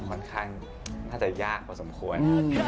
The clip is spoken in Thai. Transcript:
ค่อนข้างน่าจะยากพอสมควร